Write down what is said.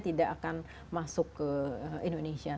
tidak akan masuk ke indonesia